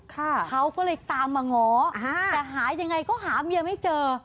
เขาก็เลยตามมาง้ออ่าแต่หายังไงก็หาเมียไม่เจอ